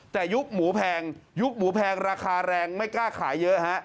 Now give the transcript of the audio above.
แต่ยุคหมูแพงยุคหมูแพงราคาแรงไม่กล้าขายเยอะฮะ